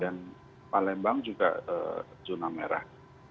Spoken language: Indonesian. dan juga di palaimbang juga juna merah